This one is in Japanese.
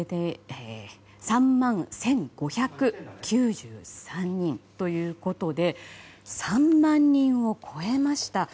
３万１５９３人ということで３万人を超えました。